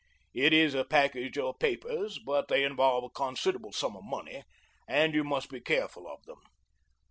It is a package of papers, but they involve a considerable sum of money, and you must be careful of them.